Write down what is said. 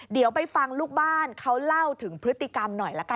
เดี๋ยวไปฟังลูกบ้านเขาเล่าถึงพฤติกรรมหน่อยละกัน